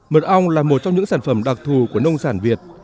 mật ong là một trong những sản phẩm đặc thù của nông sản việt